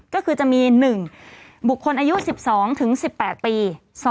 ก็คือจะมี๑บุคคลอายุ๑๒๑๘ปี